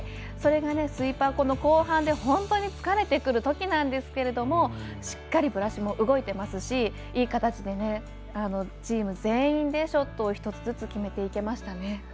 それがスイーパー、この後半で本当に疲れてくるときなんですがしっかりブラシも動いてますしいい形でチーム全員でショットを１つずつ決めていけましたね。